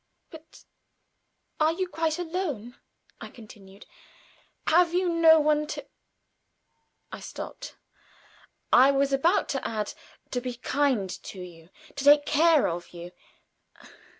"But are you quite alone?" I continued. "Have you no one to " I stopped; I was about to add, "to be kind to you to take care of you?"